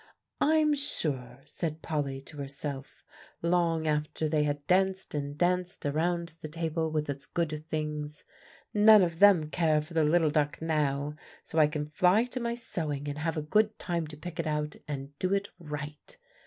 "I'm sure," said Polly to herself, long after they had danced and danced around the table with its good things, "none of them care for the little duck now; so I can fly to my sewing, and have a good time to pick it out, and do it right."